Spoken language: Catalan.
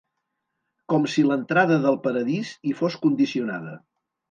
Com si l'entrada del paradís hi fos condicionada.